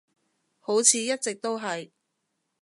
好似一直都係